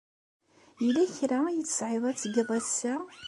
Yella kra ay tesɛiḍ ad tgeḍ ass-a?